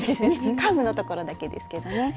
カーブのところだけですけどね。